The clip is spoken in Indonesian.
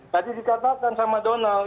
tadi dikatakan sama donald